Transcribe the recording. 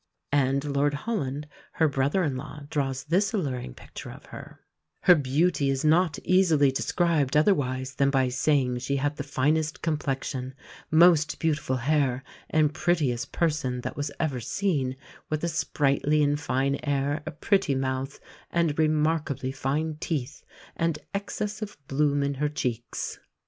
And Lord Holland, her brother in law, draws this alluring picture of her: "Her beauty is not easily described otherwise than by saying she had the finest complexion, most beautiful hair, and prettiest person that was ever seen, with a sprightly and fine air, a pretty mouth, and remarkably fine teeth, and excess of bloom in her cheeks."